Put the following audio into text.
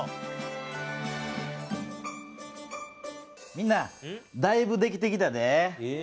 みんな！だいぶできてきたでぇ。